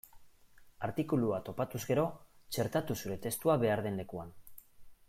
Artikulua topatuz gero, txertatu zure testua behar den lekuan.